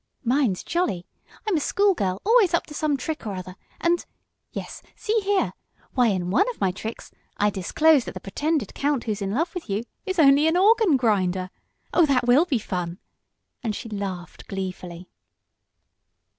"Mine's jolly. I'm a school girl, always up to some trick or other, and yes, see here why in one of my tricks I disclose that the pretended count who's in love with you is only an organ grinder! Oh, that will be fun," and she laughed gleefully.